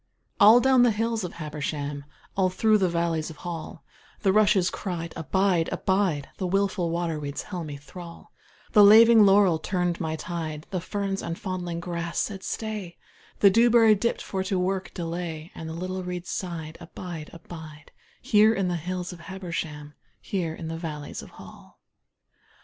All down the hills of Habersham, All through the valleys of Hall, The rushes cried `Abide, abide,' The willful waterweeds held me thrall, The laving laurel turned my tide, The ferns and the fondling grass said `Stay,' The dewberry dipped for to work delay, And the little reeds sighed `Abide, abide, Here in the hills of Habersham, Here in the valleys of Hall.'